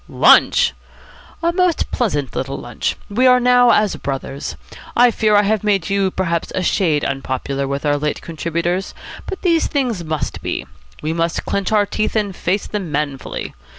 "Lunch!" "A most pleasant little lunch. We are now as brothers. I fear I have made you perhaps a shade unpopular with our late contributors; but these things must be. We must clench our teeth and face them manfully.